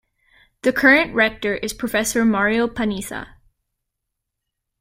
The current Rector is Professor Mario Panizza.